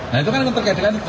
nah itu kan terkait dengan itu